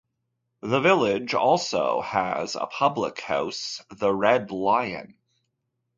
The village also has a public house, the Red Lion.